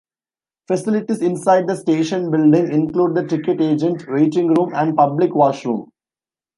Facilities inside the station building include the ticket agent, waiting room and public washroom.